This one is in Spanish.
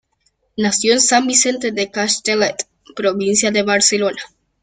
Nació en San Vicente de Castellet, provincia de Barcelona.